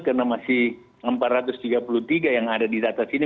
karena masih empat ratus tiga puluh tiga yang ada di data sini